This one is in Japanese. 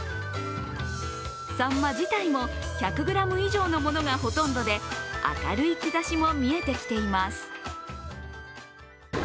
サンマ自体も１００ｇ以上のものがほとんどで明るい兆しも見えてきています。